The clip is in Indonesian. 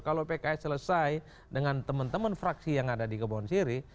kalau pks selesai dengan teman teman fraksi yang ada di kebon siri